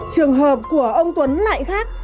trường hợp của ông tuấn lại khác